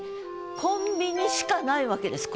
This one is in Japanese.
コンビニしかないわけです